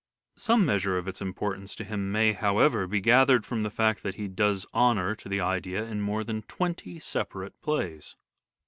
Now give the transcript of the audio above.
Some measure of its importance to him may, however, be gathered from the fact that he does honour to the idea in more than twenty separate plays.